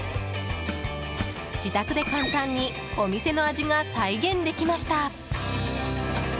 自宅で簡単にお店の味が再現できました。